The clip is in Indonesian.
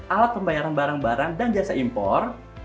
alat pembayaran barang barang dan jasa impor